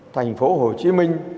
thành phố hồ chí minh